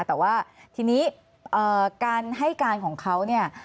แต่ว่าทีนี้การให้การของเขาเนี่ย